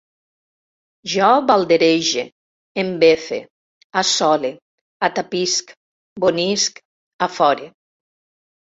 Jo balderege, em befe, assole, atapisc, bonisc, afore